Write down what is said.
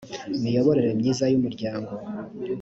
miyoborere myiza y umuryango